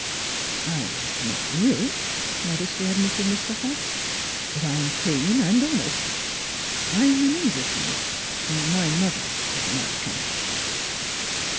" I'm not rich," modestly admitted Mr. Hobbs; " but I'm clean and honest. I'm an Englishman, er my mother is American."